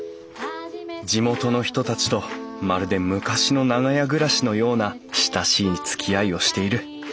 地元の人たちとまるで昔の長屋暮らしのような親しいつきあいをしている。